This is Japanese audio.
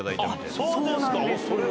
そうなんですか。